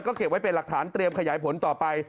เก็บไว้เป็นหลักฐานเตรียมขยายผลต่อไป